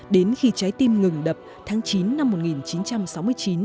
đến khi trái tim ngừng đập tháng chín năm một nghìn chín trăm sáu mươi chín